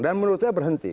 dan menurut saya berhenti